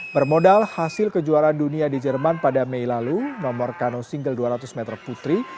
bermodal hasil kejuaraan dunia di jerman pada mei lalu nomor kano single dua ratus meter putri